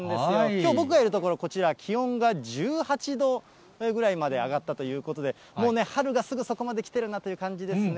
きょう、僕がいる所、こちら、気温が１８度ぐらいまで上がったということで、もうね、春がすぐそこまで来てるなという感じですね。